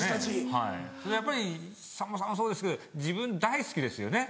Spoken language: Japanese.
はいやっぱりさんまさんもそうですけど自分大好きですよね。